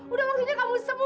udah waktunya kamu sembuh